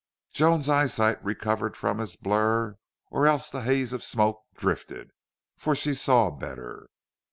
Joan's eyesight recovered from its blur or else the haze of smoke drifted, for she saw better.